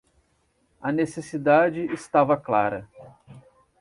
A necessidade estava clara